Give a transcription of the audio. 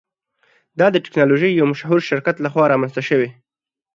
دا د ټیکنالوژۍ یو مشهور شرکت لخوا رامینځته شوی.